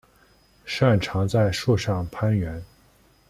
擅长在树上攀援。